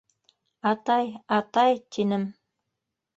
- Атай, атай... - тинем.